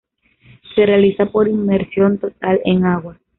Se realiza por inmersión total en agua.